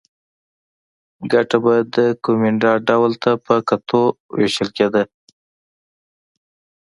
ګټه به د کومېندا ډول ته په کتو وېشل کېده.